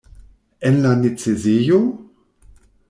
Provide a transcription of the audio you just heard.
En la necesejo?